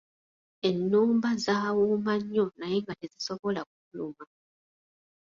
Ennumba zaawuuma nnyo naye nga tezisobola kufuluma.